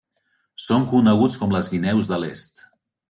Són coneguts com les guineus de l'est.